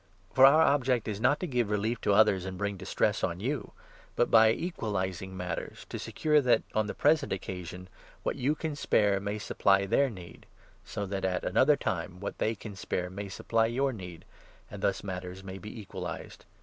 For our object is not to give relief to others and bring distress 13 on you, but, by equalizing matters, to secure that, on the present 14 occasion, what you can spare may supply their need, so that at another time what they can spare may supply your need, and thus matters may be equalized.